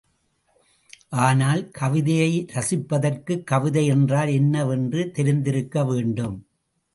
ஆனால் கவிதையை ரஸிப்பதற்குக் கவிதை என்றால் என்ன வென்று தெரிந்திருக்க வேண்டும்.